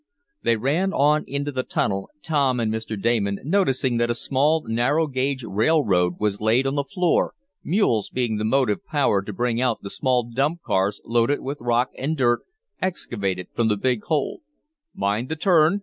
They ran on into the tunnel, Tom and Mr. Damon noticing that a small narrow gage railroad was laid on the floor, mules being the motive power to bring out the small dump cars loaded with rock and dirt, excavated from the big hole. "Mind the turn!"